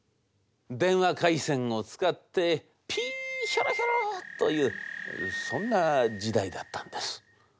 電話回線を使ってピーヒョロヒョロというそんな時代だったんです。